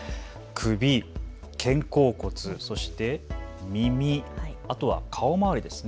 首、肩甲骨、そして耳、あとは顔まわりです。